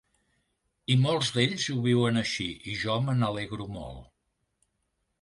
I molts d’ells ho viuen així, i jo me n’alegro molt.